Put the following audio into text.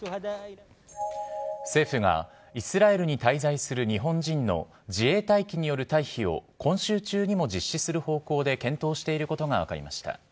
政府がイスラエルに滞在する日本人の自衛隊機による退避を今週中にも実施する方向で検討していることが分かりました。